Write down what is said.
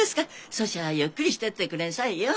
そしゃゆっくりしてってくれんさいよ。